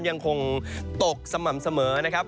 ยังคงตกสม่ำเสมอนะครับ